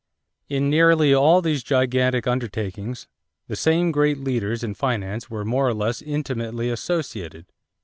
In nearly all these gigantic undertakings, the same great leaders in finance were more or less intimately associated.